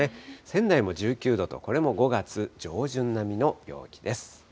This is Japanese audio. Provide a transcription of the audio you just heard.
仙台も１９度と、これも５月上旬並みの陽気です。